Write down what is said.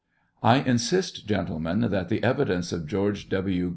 I insist, gentlemen, that the evidence of George W.